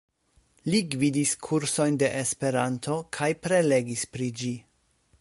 Li gvidis kursojn de Esperanto kaj prelegis pri ĝi.